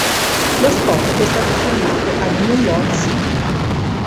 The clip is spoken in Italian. Lo spot è stato filmato a New York City.